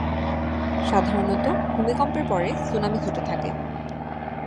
সাধারণত ভূমিকম্পের পরে সুনামি ঘটে থাকে।